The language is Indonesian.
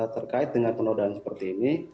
terkait dengan penodaan seperti ini